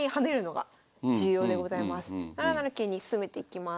７七桂に進めていきます。